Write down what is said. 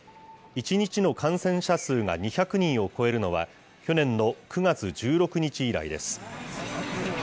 １日の感染者数が２００人を超えるのは、去年の９月１６日以来です。